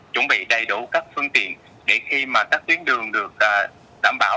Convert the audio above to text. chuẩn bị đầy đủ các phương tiện để khi mà các tuyến đường được đảm bảo